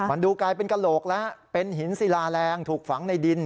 มันดูกลายเป็นกระโหลกแล้วเป็นหินศิลาแรงถูกฝังในดิน